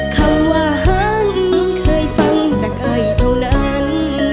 คำว่าฮันเคยฟังจากใครเท่านั้น